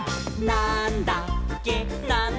なんだっけ？！」